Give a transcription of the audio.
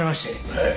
はい。